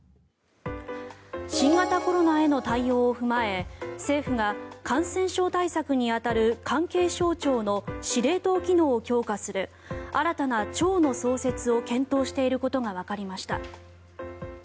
新型コロナへの対応を踏まえ政府が感染症対策に当たる関係省庁の司令塔機能を強化する新たな庁の創設を検討していることがわかりました。